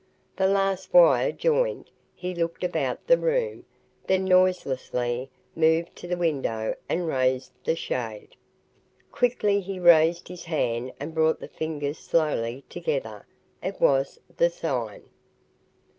The last wire joined, he looked about the room, then noiselessly moved to the window and raised the shade. Quickly he raised his hand and brought the fingers slowly together. It was the sign.